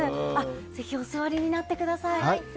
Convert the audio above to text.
ぜひお座りになってください。